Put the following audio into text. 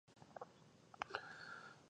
پسه د افغانستان د جغرافیوي تنوع یو مثال دی.